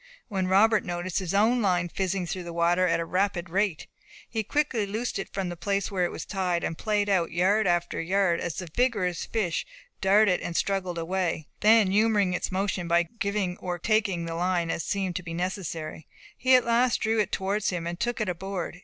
when Robert noticed his own line fizzing through the water at a rapid rate. He quickly loosed it from the place where it was tied, and payed out yard after yard as the vigorous fish darted and struggled away; then humouring its motion by giving or taking the line as seemed to be necessary, he at last drew it towards him, and took it aboard.